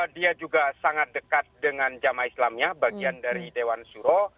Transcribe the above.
dia juga sangat dekat dengan jamaah islamnya bagian dari dewan suro